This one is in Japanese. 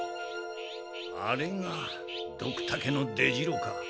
あれがドクタケの出城か。